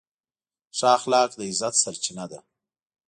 ښه اخلاق د عزت سرچینه ده.